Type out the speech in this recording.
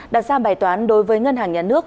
đặt ra bài toán đối với ngân hàng nhà nước